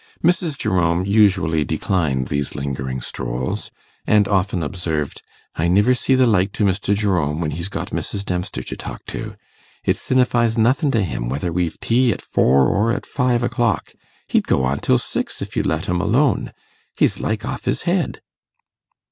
Mrs. Jerome usually declined these lingering strolls, and often observed, 'I niver see the like to Mr. Jerome when he's got Mrs. Dempster to talk to; it sinnifies nothin' to him whether we've tea at four or at five o'clock; he'd go on till six, if you'd let him alone he's like off his head.